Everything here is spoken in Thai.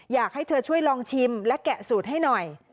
อยากให้เธอช่วยลองชิมและแกะสูตรให้หน่อย